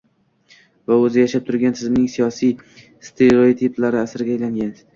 va o‘zi yashab turgan tizimning siyosiy stereotiplari asiriga aylangan